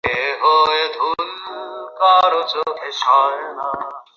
এবারের ড্রোভটা বাদে যেখানে সে অনুপস্থিত ছিল।